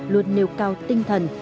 luật nêu cao tinh thần